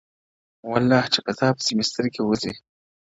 والله ه چي په تا پسي مي سترگي وځي،